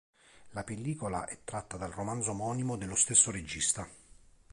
La pellicola è tratta dal romanzo omonimo dello stesso regista.